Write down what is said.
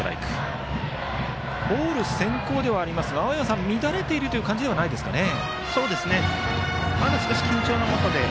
ボール先行ではありますが青山さん、乱れている感じではないですかね。